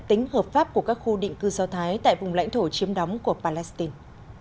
tính hợp pháp của các khu định cư do thái tại vùng lãnh thổ chiếm đóng của palestine